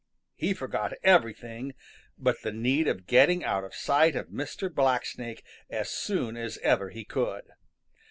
He forgot everything but the need of getting out of sight of Mr. Blacksnake as soon as ever he could.